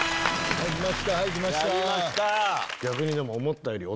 やりました！